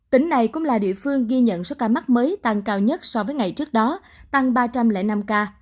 tỉnh này cũng là địa phương ghi nhận số ca mắc mới tăng cao nhất so với ngày trước đó tăng ba trăm linh năm ca